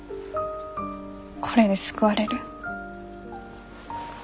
これで救われる？